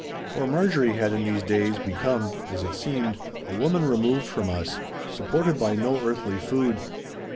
For Marjorie had in these days become (as it seemed) a woman removed from us, supported by no earthly food.